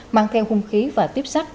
mang theo hung khí và tiếp sắt